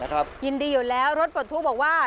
ยินดีอยู่แล้วรถปลดทุกข์บอกว่า